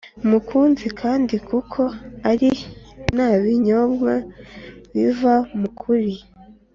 mukuzi kandi kuko ari nta binyoma biva mu kuri